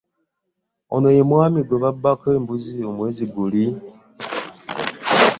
Ono ye mwami gwe babbako embuzi omwezi guli.